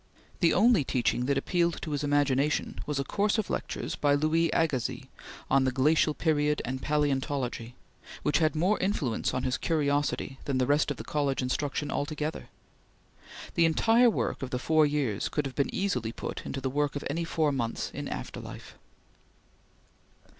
The only teaching that appealed to his imagination was a course of lectures by Louis Agassiz on the Glacial Period and Paleontology, which had more influence on his curiosity than the rest of the college instruction altogether. The entire work of the four years could have been easily put into the work of any four months in after life.